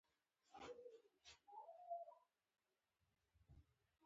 د انګور شیره د څه لپاره وکاروم؟